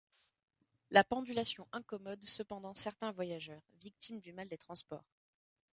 La pendulation incommode cependant certains voyageurs, victimes du mal des transports.